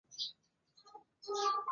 李鏊自幼聪明而勤学。